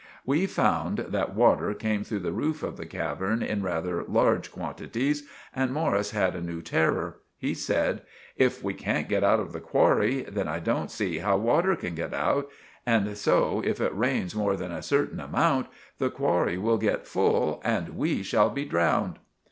We found that water came through the roof of the cavern in rather large quantities, and Morris had a new terror. He said— "If we can't get out of the qwarry, then I don't see how water can get out, and so, if it rains more than a certain amount, the qwarry will get full and we shall be drowned."